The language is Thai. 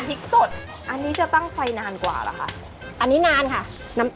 พริกสดอันนี้จะตั้งไฟนานกว่าหรอค่ะ